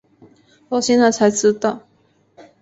我现在才知道